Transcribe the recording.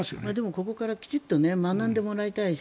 ここからきちんと学んでもらいたいし。